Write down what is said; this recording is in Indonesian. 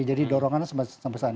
jadi dorongannya sampai sana